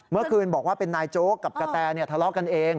เมื่อคืนบอกว่าเป็นนายโจ๊กกับกะแตทะเลาะกันเอง